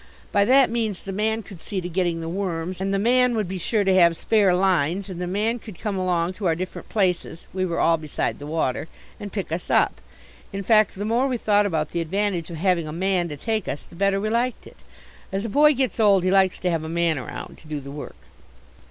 By that means the man could see to getting the worms, and the man would be sure to have spare lines, and the man could come along to our different places we were all beside the water and pick us up. In fact the more we thought about the advantage of having a "man" to take us the better we liked it. As a boy gets old he likes to have a man around to do the work.